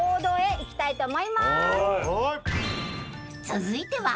［続いては］